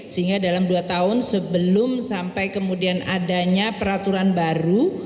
sehingga dalam dua tahun sebelum sampai kemudian adanya peraturan baru